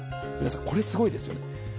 皆さんこれすごいですよね？